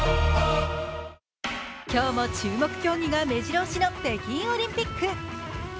今日も注目競技がめじろ押しの北京オリンピック。